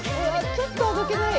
ちょっとあどけない。